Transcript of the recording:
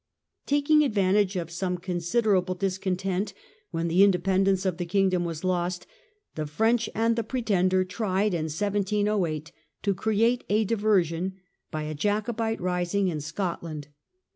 Taking advantage ot some considerable discontent when the independence of the kingdom was lost, the French and the Pretender tried in 1708 to apaquet. ^^^^^^^ diversion, by a Jacobite rising in Scotland.